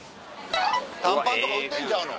短パンとか売ってんちゃうの？